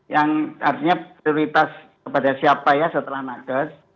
yang artinya prioritas kepada siapa ya setelah nakes